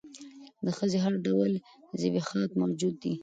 د ښځې هر ډول زبېښاک موجود دى.